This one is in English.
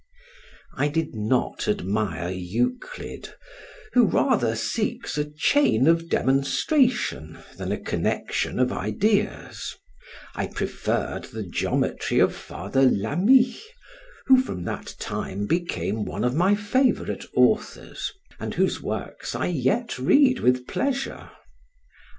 I did not admire Euclid, who rather seeks a chain of demonstration than a connection of ideas: I preferred the geometry of Father Lama, who from that time became one of my favorite authors, and whose works I yet read with pleasure.